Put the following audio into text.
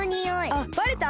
あっバレた？